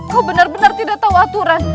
kau benar benar tidak tahu aturan